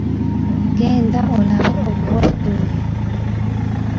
Genda olabe omulwadde oyo.